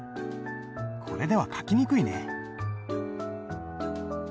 これでは書きにくいね。